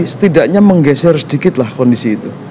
setidaknya menggeser sedikit lah kondisi itu